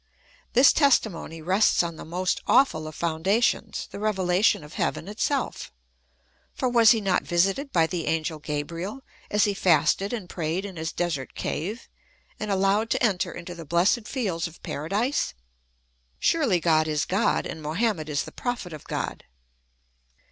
This testimony rests on the most awful of foundations, the revelation of heaven itself ; for was he not visited by the angel Gabriel, as he fasted and prayed in his desert cave, and allowed to enter into the blessed fields of Paradise .^ Surely God is God and Mohammed is the Prophet of God.